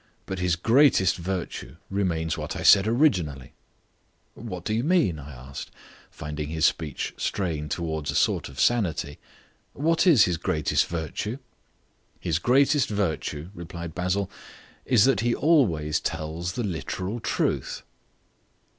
But his greatest virtue remains what I said originally." "What do you mean?" I asked, finding his speech straying towards a sort of sanity. "What is his greatest virtue?" "His greatest virtue," replied Basil, "is that he always tells the literal truth."